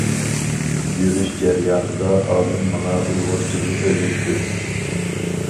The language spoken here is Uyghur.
يۈرۈش جەريانىدا ئالىم ماڭا ئۇيغۇرچىنى ئۆگەتتى.